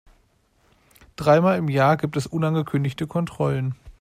Dreimal im Jahr gibt es unangekündigte Kontrollen.